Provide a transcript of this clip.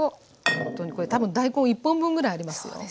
これ多分大根１本分ぐらいありますよ。